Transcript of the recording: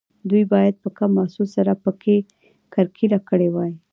دوی باید په کم محصول سره پکې کرکیله کړې وای.